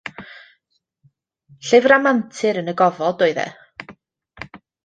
Llyfr am antur yn y gofod oedd e.